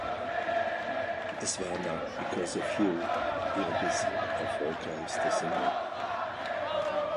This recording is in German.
Es war nach "Because of You" ihre bisher erfolgreichste Single.